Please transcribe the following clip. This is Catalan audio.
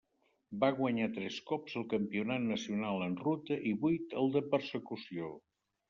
Va guanyar tres cops el campionat nacional en ruta i vuit el de persecució.